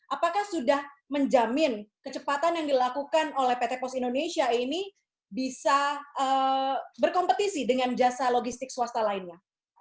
apakah sudah menjamin kecepatan yang dilakukan oleh pt pos indonesia ini bisa berkompetisi dengan jasa logistik swasta lainnya